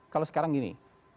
kalau sekarang begini